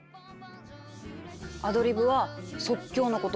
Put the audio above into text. アドリブは「即興」のこと。